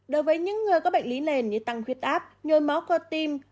đối với những người có bệnh lý nền như tăng quyết áp nhôi máu co tim